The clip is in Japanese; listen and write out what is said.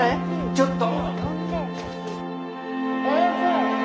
ちょっと。